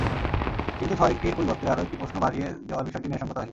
কিন্তু ছয়টির পরিবর্তে আরও একটি প্রশ্ন বাড়িয়ে দেওয়ার বিষয়টি ন্যায়সংগত হয়নি।